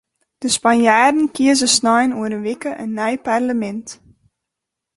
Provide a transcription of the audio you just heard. De Spanjaarden kieze snein oer in wike in nij parlemint.